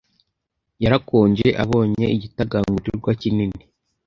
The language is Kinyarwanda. Yarakonje abonye igitagangurirwa kinini.